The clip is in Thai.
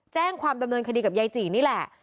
แจ้งความดำเนินคดีกับยายจี่นี่แหละ